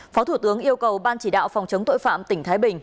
phó thủ tướng yêu cầu ban chỉ đạo phòng chống tội phạm tỉnh thái bình